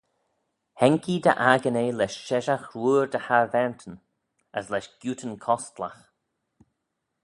Haink ee dy akin eh lesh sheshaght wooar dy harvaantyn, as lesh giootyn costlagh.